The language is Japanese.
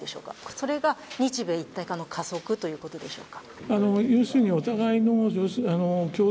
それが日米一体化の加速ということでしょうか？